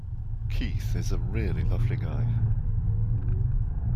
Keith is a really lovely guy.